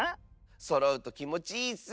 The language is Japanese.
そろうときもちいいッス。